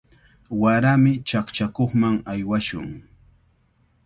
Warami chaqchakuqman aywashun.